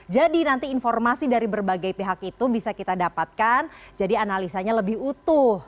jadi nanti informasi dari berbagai pihak itu bisa kita dapatkan jadi analisanya lebih utuh